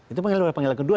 itu panggilan kedua